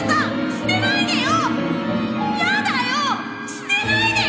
捨てないでよ！